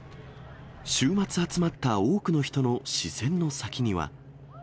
週末集まった多くの人の視線の先には。